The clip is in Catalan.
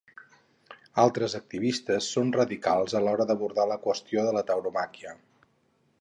Altres activistes són radicals a l'hora d'abordar la qüestió de la tauromàquia.